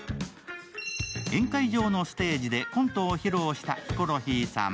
宴会場のステージでコントを披露したヒコロヒーさん。